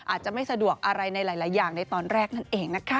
อาจจะไม่สะดวกอะไรในหลายอย่างในตอนแรกนั่นเองนะคะ